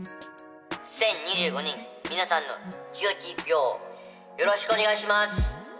１０２５人みなさんの清き１票をよろしくお願いします。